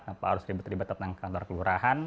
tanpa harus ribet ribet datang ke kantor kelurahan